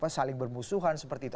saling bermusuhan seperti itu